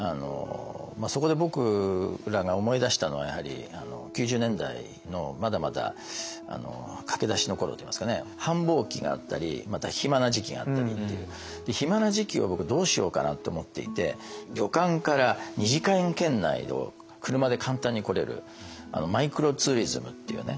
そこで僕らが思い出したのはやはり９０年代のまだまだ駆け出しの頃といいますかね繁忙期があったりまた暇な時期があったりっていう暇な時期を僕どうしようかなって思っていて旅館から２時間圏内を車で簡単に来れるマイクロツーリズムっていうね